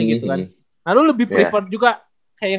ya makanya itu prefer lah